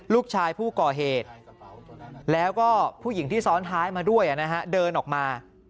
ลูกชายผู้ก่อเหตุแล้วก็ผู้หญิงที่ซ้อนท้ายมาด้วยเดินออกมา